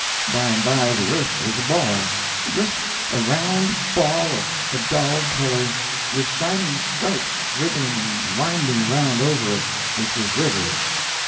By and by the earth was a ball—just a round ball, of a dull color, with shiny stripes wriggling and winding around over it, which was rivers.